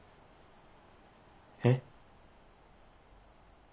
えっ？